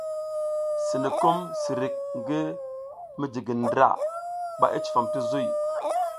Sinukum sirik ngi midigindra ba i cifam ti zuy.